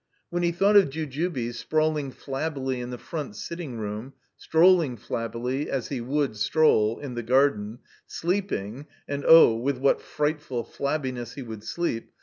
When he thought of Jujubes sprawling flabbily in the front sitting room, strolling flabbily (as he would stroll) in the garden, sleeping (and oh, with what frightful flabbiness he would sleep!)